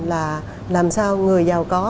là làm sao người giàu có